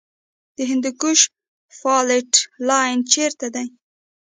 د هندوکش فالټ لاین چیرته دی؟